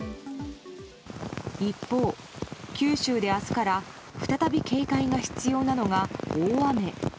一方、九州で明日から再び警戒が必要なのが大雨。